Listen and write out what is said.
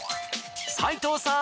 斉藤さん